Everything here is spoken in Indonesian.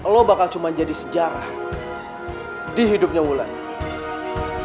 lo bakal cuma jadi sejarah di hidupnya wulan